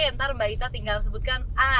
nanti mbak itta tinggal sebutkan a